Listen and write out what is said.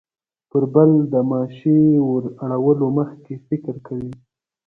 پر بل د ماشې وراړولو مخکې فکر کوي.